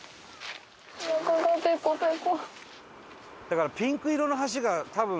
だからピンク色の橋が多分。